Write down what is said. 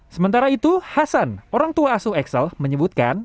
sementara itu hasan orang tua asuh excel menyebutkan